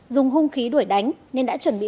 dùng hung khí đuổi đánh nên đã chuẩn bị